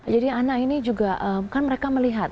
anak ini juga kan mereka melihat